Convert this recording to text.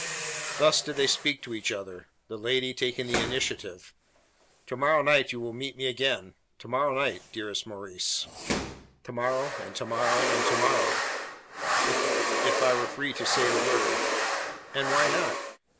Thus did they speak to each other, the lady taking the initiative: "To morrow night you will meet me again to morrow night, dearest Maurice?" "To morrow, and to morrow, and to morrow, if I were free to say the word." "And why not?